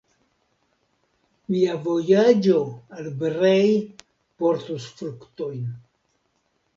Mia vojaĝo al Brej portus fruktojn.